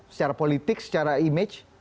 secara politik secara image